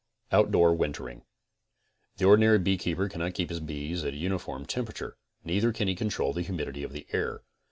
OUTDOOR WINTERING The ordinary beekeeper cannot keep his bees at a uniform temperature; neither can he control the humidity of the air.